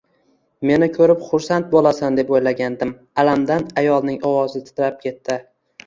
Meni ko`rib xursand bo`lasan deb o`ylagandim, alamdan ayolning ovozi titrab ketdi